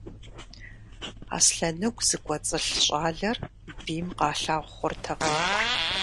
Аслъэныгу зыкӀуэцӀылъ щӀалэр бийм къалъагъу хъуртэкъым.